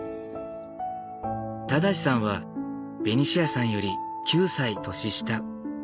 正さんはベニシアさんより９歳年下。